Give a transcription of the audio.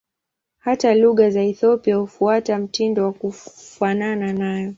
Hata lugha za Ethiopia hufuata mtindo wa kufanana nayo.